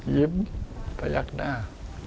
ยิ้มประยักษ์หน้า